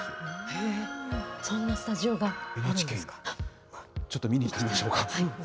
そんなスタジオがあるんですちょっと見に行きましょうか。